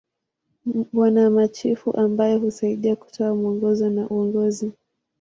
Wana machifu ambao husaidia kutoa mwongozo na uongozi.